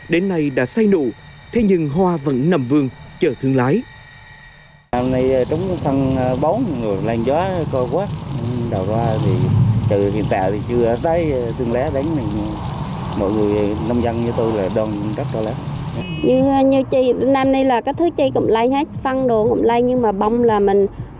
đến nay đã say nụ thế nhưng hoa vẫn nằm vườn chờ thương lái